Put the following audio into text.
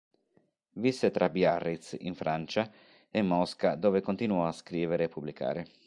Visse tra Biarritz, in Francia, e Mosca, dove continuò a scrivere e pubblicare.